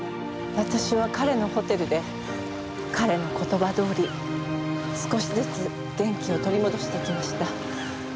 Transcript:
私は彼のホテルで彼の言葉どおり少しずつ元気を取り戻していきました。